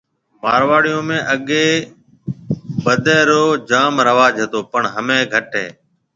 مارواڙيون ۾ اگيَ بدَي رو جام رواج ھتو پڻ ھميَ گھٽ ھيََََ